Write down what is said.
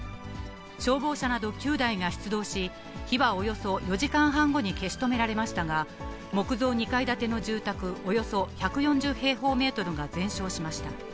消防車など９台が出動し、火はおよそ４時間半後に消し止められましたが、木造２階建ての住宅およそ１４０平方メートルが全焼しました。